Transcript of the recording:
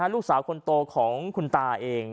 ลูกสาวคนโตของคุณตาเอง